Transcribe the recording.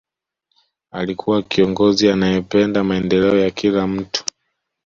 alikuwa kiongozi anayependa maendeleo ya kila mtu